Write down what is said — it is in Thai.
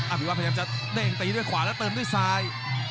ภิวัตพยายามจะเด้งตีด้วยขวาแล้วเติมด้วยซ้าย